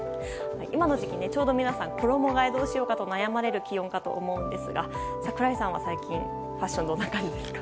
今の時期、ちょうど皆さん衣替えどうしようかと悩まれる気温かと思うんですが櫻井さんは最近ファッションどんな感じですか。